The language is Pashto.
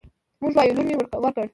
موږ وايو: لور مې ورکړ